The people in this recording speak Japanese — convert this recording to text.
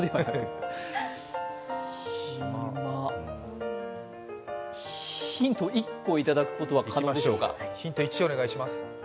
暇ヒント１個いただくことできますでしょうか。